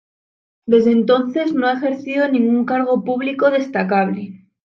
Desde entonces no ha ejercido ningún cargo público destacable